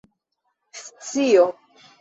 scio